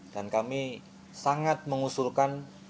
dan kami sangat mengusulkan